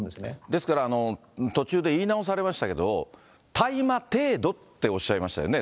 ですから、途中で言い直されましたけど、大麻程度っておっしゃいましたよね。